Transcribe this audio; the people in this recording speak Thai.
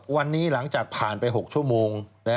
วันนี้หลังจากผ่านไป๖ชั่วโมง